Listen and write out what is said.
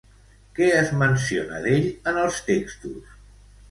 Què es menciona d'ell en els textos?